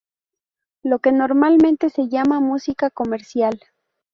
Lo que normalmente se llama "música comercial".